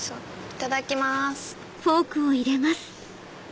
いただきます。